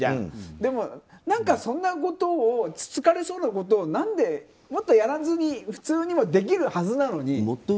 でも、そんなつつかれそうなことをもっとやらずに普通にできるはずなのに。